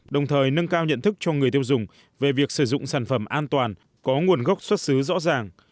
đồng thời nâng cao nhận thức cho người tiêu dùng về việc sử dụng sản phẩm an toàn có nguồn gốc xuất xứ rõ ràng